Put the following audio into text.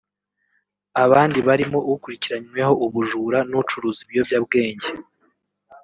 Abandi barimo ukurikiranyweho ubujura n’ucuruza ibiyobyabwenge